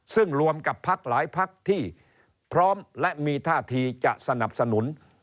ซึ่งรวมกับพักหลายพักที่พร้อมและมีท่าทีจะสนับสนุน